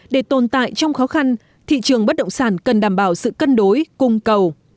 để tồn tại trong khó khăn thị trường bất động sản cần đảm bảo sự cân đối cung cầu